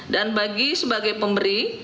dan bagi sebagai pemberi